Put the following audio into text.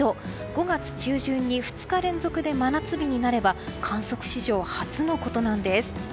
５月中旬に２日連続で真夏日になれば観測史上初のことなんです。